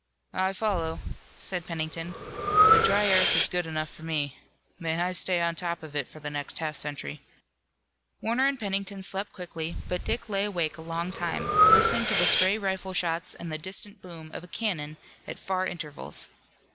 "I follow," said Pennington. "The dry earth is good enough for me. May I stay on top of it for the next half century." Warner and Pennington slept quickly, but Dick lay awake a long time, listening to the stray rifle shots and the distant boom of a cannon at far intervals.